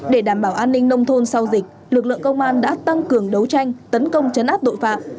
để đảm bảo an ninh nông thôn sau dịch lực lượng công an đã tăng cường đấu tranh tấn công chấn áp tội phạm